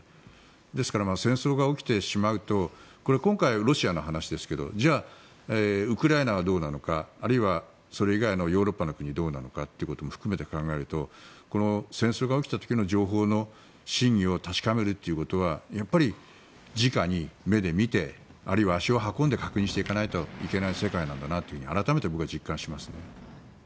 ですから、戦争が起きてしまうとこれ、今回ロシアの話ですけどじゃあ、ウクライナはどうなのかあるいはそれ以外のヨーロッパの国はどうなのかっていうことを含めて考えるとこの戦争が起きた時の情報の真偽を確かめるというのはやっぱりじかに目で見てあるいは足を運んで確認しないといけない世界なんだなと改めて僕は実感しますね。